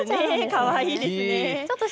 かわいいです。